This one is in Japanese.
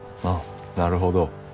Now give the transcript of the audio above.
ああなるほど。